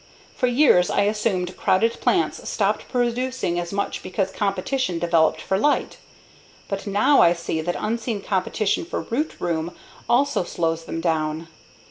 For years I assumed crowded plants stopped producing as much because competition developed for light. But now I see that unseen competition for root room also slows them down.